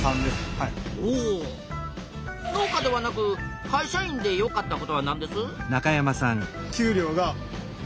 農家ではなく会社員でよかったことはなんです？